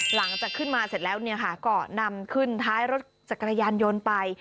หลังจากขึ้นมาเสร็จแล้วเนี่ยค่ะก็นำขึ้นท้ายรถจักรยานยนต์ไป